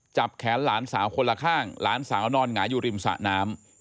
จับแขนหลานสาวคนละข้างหลานสาวนอนหงายอยู่ริมสะน้ำ